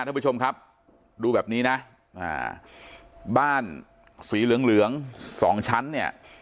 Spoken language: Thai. ท่านผู้ชมครับดูแบบนี้นะบ้านสีเหลืองเหลืองสองชั้นเนี่ย